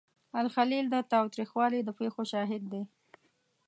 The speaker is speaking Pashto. الخلیل د تاوتریخوالي د پیښو شاهد دی.